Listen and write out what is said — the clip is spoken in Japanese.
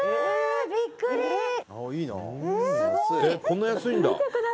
こんな安いんだ。